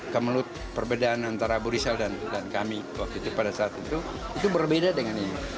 kemelut perbedaan antara bu risel dan kami waktu itu pada saat itu itu berbeda dengan ini